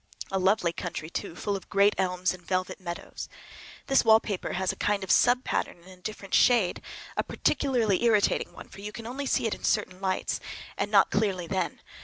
A lovely country, too, full of great elms and velvet meadows. This wallpaper has a kind of sub pattern in a different shade, a particularly irritating one, for you can only see it in certain lights, and not clearly then.